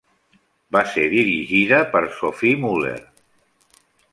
Va ser dirigida per Sophie Muller.